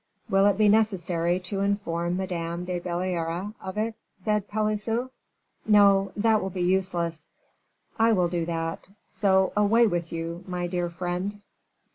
"Will it be necessary to inform Madame de Belliere of it?" said Pelisson. "No; that will be useless; I will do that. So, away with you, my dear friend."